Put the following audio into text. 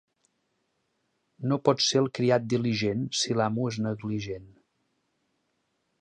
No pot ser el criat diligent, si l'amo és negligent.